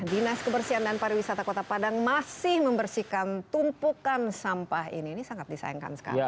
dinas kebersihan dan pariwisata kota padang masih membersihkan tumpukan sampah ini ini sangat disayangkan sekali